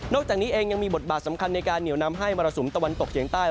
จากนี้เองยังมีบทบาทสำคัญในการเหนียวนำให้มรสุมตะวันตกเฉียงใต้